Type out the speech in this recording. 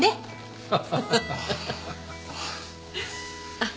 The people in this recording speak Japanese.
あっ。